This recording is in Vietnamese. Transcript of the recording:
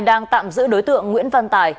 đang tạm giữ đối tượng nguyễn văn tài